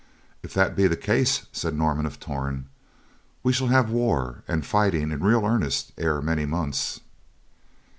"If that be the case," said Norman of Torn, "we shall have war and fighting in real earnest ere many months."